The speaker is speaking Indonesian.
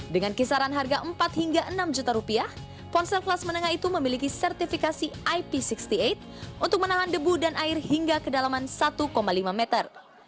dengan kisaran harga empat hingga enam juta rupiah ponsel kelas menengah itu memiliki sertifikasi ip enam puluh delapan untuk menahan debu dan air hingga kedalaman satu lima meter